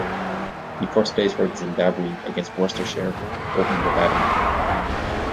He first played for Zimbabwe against Worcestershire, opening the batting.